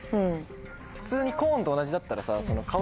普通にコーンと同じだったら。